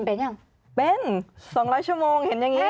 เป็นยังเป็น๒๐๐ชั่วโมงเห็นอย่างนี้